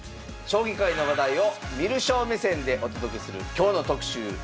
将棋界の話題を観る将目線でお届けする「今日の特集」。